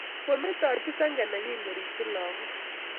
Kometochi senge nenyi koripchi lagok